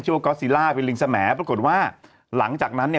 ว่าก๊อซิล่าเป็นลิงสมปรากฏว่าหลังจากนั้นเนี่ย